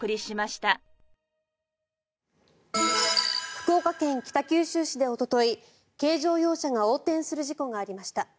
福岡県北九州市でおととい軽乗用車が横転する事故がありました。